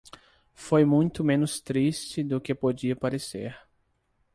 foi muito menos triste do que podia parecer